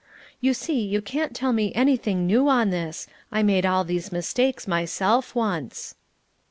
You see you can't tell me anything new on this. I made all these mistakes myself once."